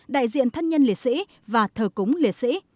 đại diện thân nhân liệt sĩ và thờ cúng liệt sĩ